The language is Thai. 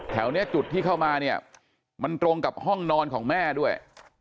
แถวนี้จุดที่เข้ามาเนี่ยมันตรงกับห้องนอนของแม่ด้วย